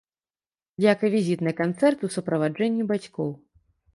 Як і візіт на канцэрт у суправаджэнні бацькоў.